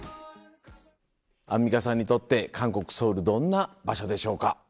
アンミカさんにとって韓国ソウルどんな場所でしょうか？